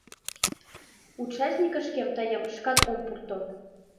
— «Участкышкем тыйым шкак ом пурто